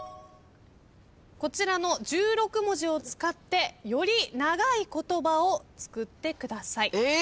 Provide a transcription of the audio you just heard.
こちらの１６文字を使ってより長い言葉を作ってください。